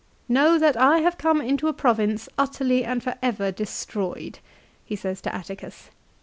"Know that I have come into a province utterly and for ever destroyed," he says to Atticus.